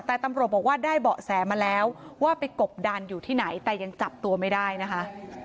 แต่ตำรวจบอกว่าได้เบาะแสมาแล้วว่าไปกบดันอยู่ที่ไหนแต่ยังจับตัวไม่ได้นะคะ